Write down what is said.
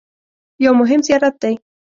یو مهم زیارت دی.